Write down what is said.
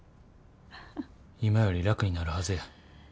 今より楽になるはずや。